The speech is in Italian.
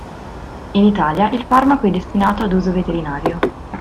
In Italia il farmaco è destinato ad uso veterinario.